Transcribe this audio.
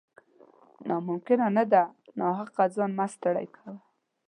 نا ممکنه ده ، ناحقه ځان مه ستړی کوه